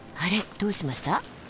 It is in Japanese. どうしました？